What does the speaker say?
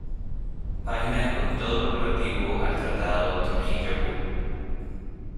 Página con todo lo relativo al Tratado Trujillo-Hull